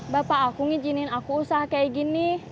bapak aku ngijinin aku usaha kayak gini